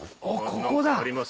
ここだ！